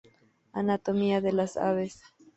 Anatomía de las aves